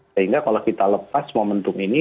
sehingga kalau kita lepas momentum ini